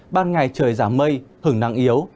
ban ngày trời giảm mây hứng nắng yếu